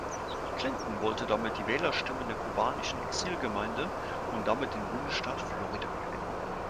Clinton wollte damit die Wählerstimmen der kubanischen Exilgemeinde und damit den Bundesstaat Florida gewinnen.